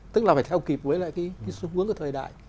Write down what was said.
tức là phải theo kịp với lại cái xu hướng của thời đại